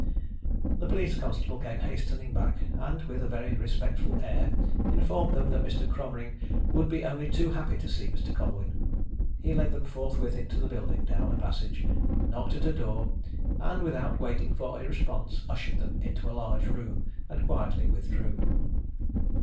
The police constable came hastening back, and with a very respectful air informed them that Mr. Cromering would be only too happy to see Mr. Colwyn. He led them forthwith into the building, down a passage, knocked at a door, and without waiting for a response, ushered them into a large room and quietly withdrew.